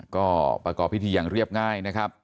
ก็ประกอบพิธีอย่างเรียบง่ายนะครับ